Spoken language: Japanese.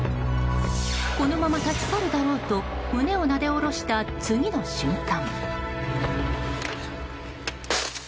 このまま立ち去るだろうと胸をなでおろした次の瞬間。